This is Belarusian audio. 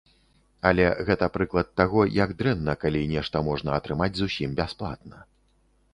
Але гэта прыклад таго, як дрэнна, калі нешта можна атрымаць зусім бясплатна.